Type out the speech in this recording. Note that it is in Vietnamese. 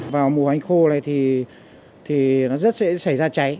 vào mùa ánh khô này thì nó rất sẽ xảy ra cháy